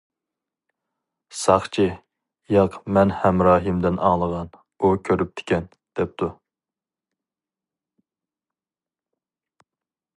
ساقچى: ياق مەن ھەمراھىمدىن ئاڭلىغان، ئۇ كۆرۈپتىكەن، -دەپتۇ.